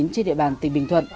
trên địa bàn tỉnh bình thuận